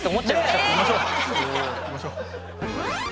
行きましょう。